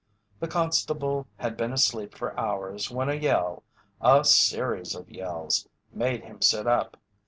The constable had been asleep for hours when a yell a series of yells made him sit up.